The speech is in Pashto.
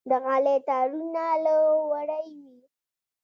د غالۍ تارونه له وړۍ وي.